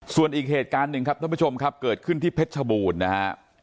ส่วนอีกเหตุการณ์หนึ่งครับท่านผู้ชมครับเกิดขึ้นที่เพชรชบูรณ์นะฮะ